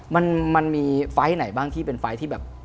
มันมันมีไฟล์ไหนบ้างที่เป็นไฟล์ที่แบบ